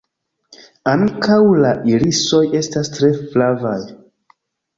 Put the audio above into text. Ankaŭ la irisoj estas tre flavaj.